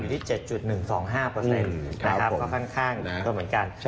อยู่ที่๗๑๒๕ก็ค่อนข้างก็เหมือนกัน